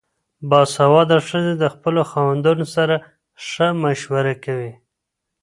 باسواده ښځې د خپلو خاوندانو سره ښه مشوره کوي.